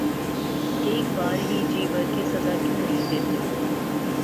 اک بار ہی جی بھر کے سزا کیوں نہیں دیتے